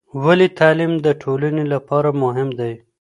ولې تعلیم د ټولنې لپاره مهم دی؟